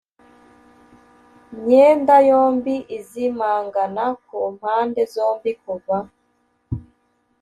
Myenda yombi izimangana ku mpande zombi kuva